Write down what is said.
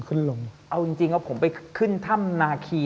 เอาจริงนะผมไปขึ้นถ้ำนาคี